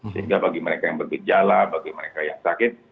sehingga bagi mereka yang bergejala bagi mereka yang sakit